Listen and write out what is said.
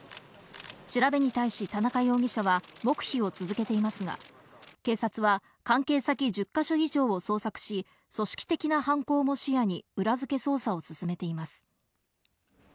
調べに対し、田中容疑者は黙秘を続けていますが、警察は関係先１０か所以上を捜索し、組織的な犯行も視野に、裏付け捜査を進めています。